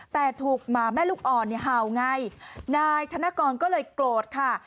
แต่ถูกหมาแม่ลูกอ่อนเนี่ยเห่าไงนายธนกรก็เลยโกรธค่ะ